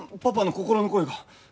パパの心の声が。